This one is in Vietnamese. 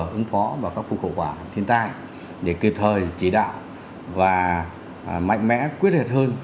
công tác phòng chống phó và các phục hậu quả thiên tai để kịp thời chỉ đạo và mạnh mẽ quyết liệt hơn